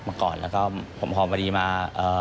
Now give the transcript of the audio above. มาก่อนแล้วก็ผมพอพอดีมา